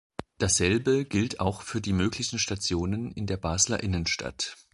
Dasselbe gilt auch für die möglichen Stationen in der Basler Innenstadt.